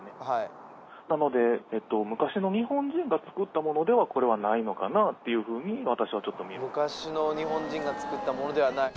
はい☎なので昔の日本人が作ったものでは☎これはないのかなっていうふうに私はちょっと見るさらに考古